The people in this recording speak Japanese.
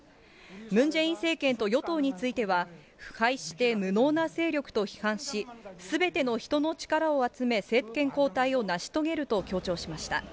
ムン・ジェイン政権と与党については、腐敗して無能な勢力と批判し、すべての人の力を集め、政権交代を成し遂げると強調しました。